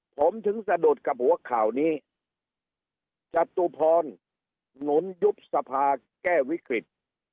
ผมถึงสะดุดกับหัวข่าวนี้จตุพรหนุนยุบสภาแก้วิกฤต